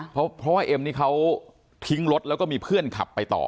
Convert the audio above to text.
เพราะว่าเอ็มนี่เขาทิ้งรถแล้วก็มีเพื่อนขับไปต่อ